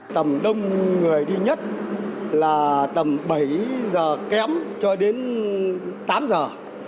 tầm đông người đi nhất là tầm bảy giờ kém cho đến tám giờ